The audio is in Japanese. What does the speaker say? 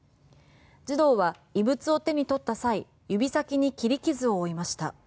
児童は異物を手に取った際指先に切り傷を負いました。